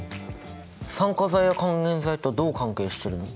酸化剤や還元剤とどう関係してるの？